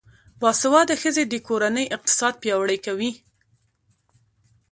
باسواده ښځې د کورنۍ اقتصاد پیاوړی کوي.